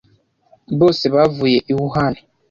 bose bavuye i Wuhan